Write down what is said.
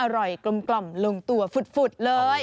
อร่อยกลมลงตัวฝุดเลย